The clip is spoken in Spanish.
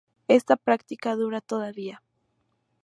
Esta práctica dura todavía.